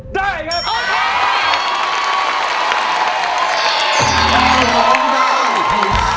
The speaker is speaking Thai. ได้ครับ